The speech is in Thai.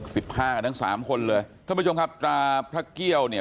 สิบห้ากันทั้งสามคนเลยท่านผู้ชมครับตราพระเกี้ยวเนี่ย